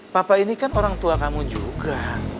papa ini kan orang tua kamu juga